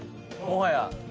もはや。